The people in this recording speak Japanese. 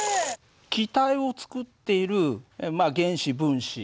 気体を作っている原子分子。